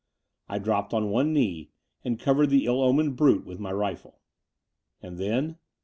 I dropped on one knee and covered the ill omened brute with my rifle. And then